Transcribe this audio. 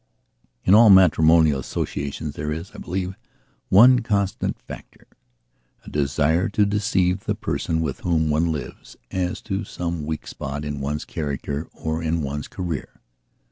In all matrimonial associations there is, I believe, one constant factora desire to deceive the person with whom one lives as to some weak spot in one's character or in one's career.